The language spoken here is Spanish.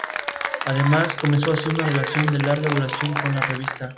Además, comenzó así una relación de larga duración con la revista.